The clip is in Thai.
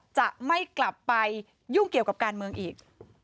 จะไม่กลับไปยุ่งเกี่ยวกับการเมืองอีก